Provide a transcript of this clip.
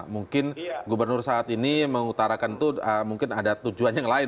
mungkin gubernur saat ini mengutarakan itu mungkin ada tujuan yang lain